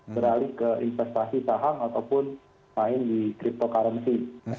beralih ke investasi saham ataupun main di cryptocurrency